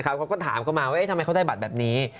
เขาก็ถามเขามาว่าทำไมเขาได้บัตรแบบนี้